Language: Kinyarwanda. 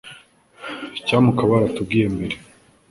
Icyampa ukaba waratubwiye mbere.